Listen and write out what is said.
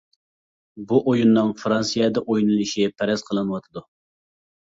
بۇ ئويۇننىڭ فىرانسىيەدە ئوينىلىشى پەرەز قىلىنىۋاتىدۇ.